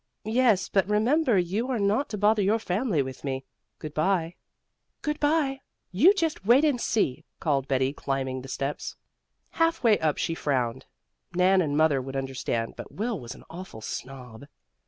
"Yes, but remember you are not to bother your family with me. Good bye." "Good bye. You just wait and see!" called Betty, climbing the steps. Half way up she frowned. Nan and mother would understand, but Will was an awful snob.